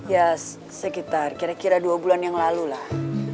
ya sekitar kira kira dua bulan yang lalu lah